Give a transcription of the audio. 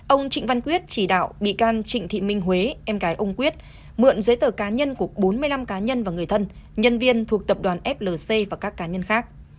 ông trịnh văn quyết chỉ đạo bị can trịnh thị minh huế em gái ông quyết mượn giấy tờ cá nhân của bốn mươi năm cá nhân và người thân nhân viên thuộc tập đoàn flc và các cá nhân khác